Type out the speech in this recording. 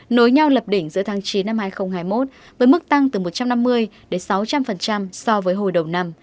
nối nhau lập đỉnh giữa tháng chín năm hai nghìn hai mươi một với mức tăng từ một trăm năm mươi đến sáu trăm linh so với hồi đầu năm